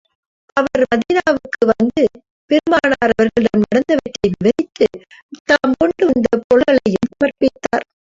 அவர் மதீனாவுக்கு வந்து, பெருமானார் அவர்களிடம் நடந்தவற்றை விவரித்து, தாம் கொண்டு வந்த பொருள்களையும் சமர்ப்பித்தார்.